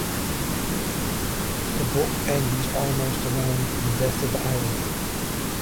The book ends almost around the death of Ali.